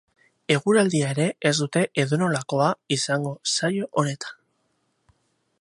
Eguraldia ere ez dute edonolakoa izango saio honetan.